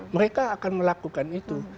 mereka akan melakukan itu